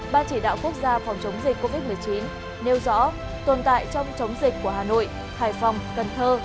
ban chỉ đạo quốc gia phòng chống dịch covid một mươi chín nêu rõ tồn tại trong chống dịch của hà nội hải phòng cần thơ